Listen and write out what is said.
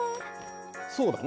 そうだな。